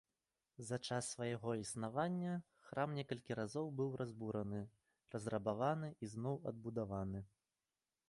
За час свайго існавання храм некалькі разоў быў разбураны, разрабаваны і зноў адбудаваны.